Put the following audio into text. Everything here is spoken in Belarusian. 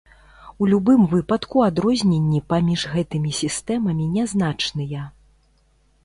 У любым выпадку адрозненні паміж гэтымі сістэмамі нязначныя.